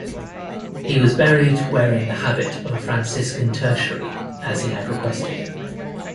He was buried wearing the habit of a Franciscan tertiary, as he had requested.